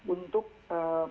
untuk perlindung diri